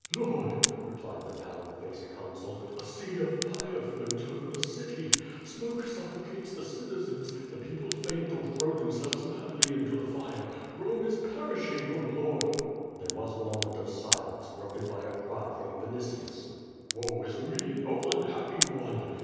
"Lord!" replied the pallid faced consul, "a sea of fire floats over the city; smoke suffocates the citizens; the people faint or throw themselves madly into the fire; Rome is perishing, Oh, Lord!" There was a moment of silence, broken by a cry from Vin itius: "Woe is me. Oh, unhappy one!"